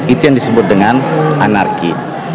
itu yang disebut dengan anarki